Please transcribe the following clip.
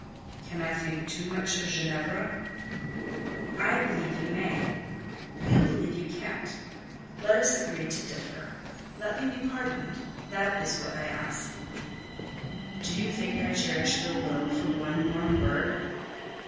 "Can I think too much of Ginevra?" "I believe you may; you believe you can't. Let us agree to differ. Let me be pardoned; that is what I ask." "Do you think I cherish ill will for one warm word?"